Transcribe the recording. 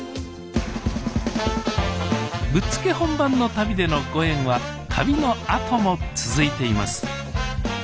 ぶっつけ本番の旅でのご縁は旅のあとも続いています。